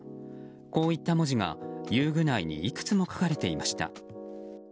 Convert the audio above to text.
こういった文字が、遊具内にいくつも書かれていました。